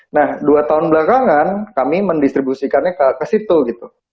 nah dua tahun belakangan kami mendistribusikannya ke situ gitu